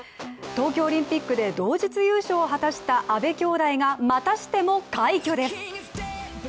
東京オリンピックで同日優勝を果たした阿部きょうだいが、またしても快挙です。